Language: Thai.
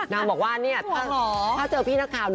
นางบอกว่าเจอพี่หน้ากล่าน